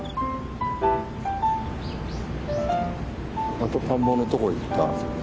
また田んぼのとこ行った。